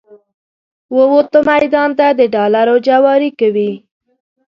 ووته میدان ته د ډالرو جواري کوي